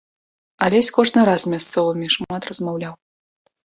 Алесь кожны раз з мясцовымі шмат размаўляў.